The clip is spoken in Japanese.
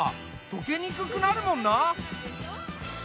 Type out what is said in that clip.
溶けにくくなるもんな。